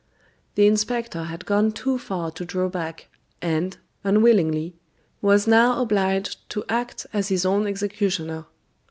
The inspector had gone too far to draw back, and, unwittingly, was now obliged to act as his own executioner.